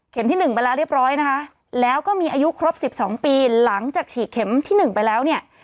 ที่๑ไปแล้วเรียบร้อยนะคะแล้วก็มีอายุครบ๑๒ปีหลังจากฉีดเข็มที่๑ไปแล้วเนี่ย